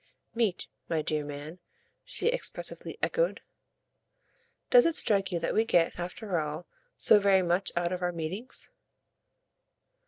"'Meet,' my dear man," she expressively echoed; "does it strike you that we get, after all, so very much out of our meetings?"